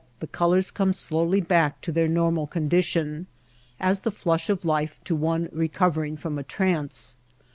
112 THE DESEET colors come slowly back to their normal con dition, as the flush of life to one recovering from a trance.